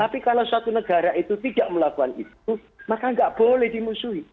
tapi kalau suatu negara itu tidak melakukan itu maka nggak boleh dimusuhi